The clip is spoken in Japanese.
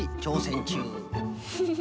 フフフ。